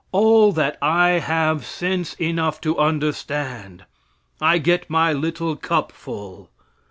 All that I have sense enough to understand. I get my little cup full.